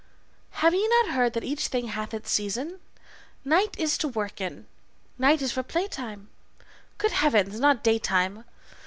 Have ye not heard that each thing hath its season? Night is to work in, night is for play time; Good heavens, not day time!